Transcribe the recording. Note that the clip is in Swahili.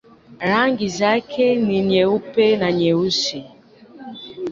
Rangi zake ni nyeupe na nyeusi.